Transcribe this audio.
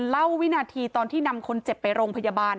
วินาทีตอนที่นำคนเจ็บไปโรงพยาบาล